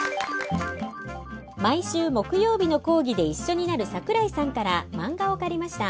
毎週木曜日の講義で一緒になる桜井さんから漫画を借りました。